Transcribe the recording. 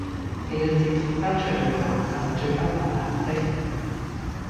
其實直接刪除對話係咪最不留痕跡